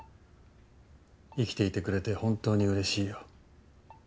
生きていてくれて本当にうれしいよ。